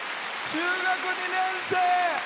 中学２年生。